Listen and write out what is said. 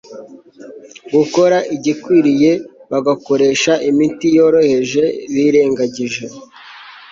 gukora igikwiriye bagakoresha imiti yoroheje birengagije